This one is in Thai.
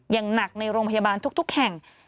อย่างหนักในโรงพยาบาลทุกแห่ง